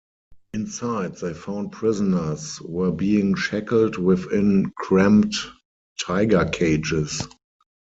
Inside they found prisoners were being shackled within cramped "tiger cages".